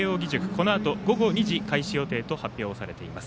このあと午後２時に開始予定と発表されています。